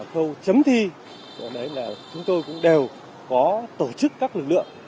khâu chấm thi là chúng tôi cũng đều có tổ chức các lực lượng